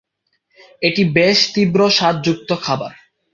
এটি বেশ তীব্র স্বাদ যুক্ত খাবার।